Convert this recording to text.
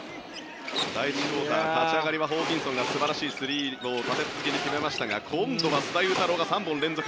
第１クオーターの立ち上がりはホーキンソンが素晴らしいスリーを立て続けに決めましたが今度は須田侑太郎が３本連続。